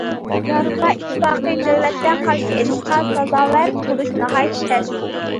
ياۋروپا ئىتتىپاقى نۆۋەتتە قارشى ئېلىشقا سازاۋەر بولۇشى ناھايىتى تەس.